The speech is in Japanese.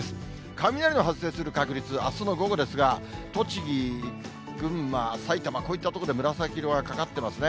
雷の発生する確率、あすの午後ですが、栃木、群馬、埼玉、こういった所で紫色がかかってますね。